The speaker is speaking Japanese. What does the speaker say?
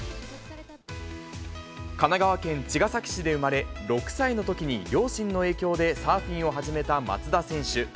神奈川県茅ヶ崎市で生まれ、６歳のときに両親の影響でサーフィンを始めた松田選手。